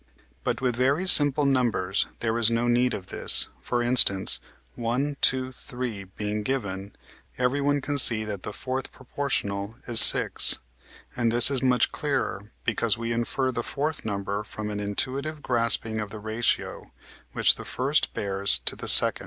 But with very simple numbers there is no need of this. For instance, one, two, three, being given, everyone can see that the fourth proportional is six; and this is much clearer, because we infer the fourth number from an intuitive grasping of the ratio, which the first bears to the second.